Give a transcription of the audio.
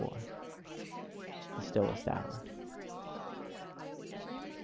XLIV. THE STILLEST HOUR.